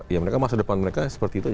ya mereka masa depan mereka seperti itu aja